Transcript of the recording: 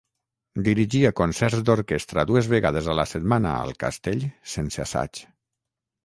Dirigia concerts d'orquestra dues vegades a la setmana al castell sense assaig.